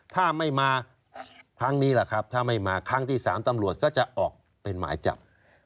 ถ้าไม่มาครั้งนี้แหละครับถ้าไม่มาครั้งที่๓ตำรวจก็จะออกเป็นหมายจับ